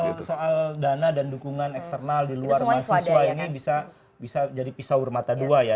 ya soal dana dan dukungan eksternal di luar mahasiswa ini bisa jadi pisau bermata dua ya